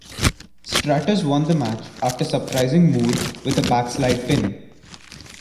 Stratus won the match after surprising Moore with a backslide pin.